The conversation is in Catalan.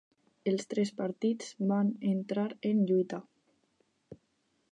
Els tres partits van entrar en lluita.